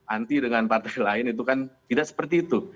anti dengan partai lain itu kan tidak seperti itu